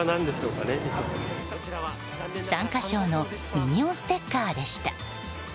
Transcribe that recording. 参加賞のミニオンステッカーでした。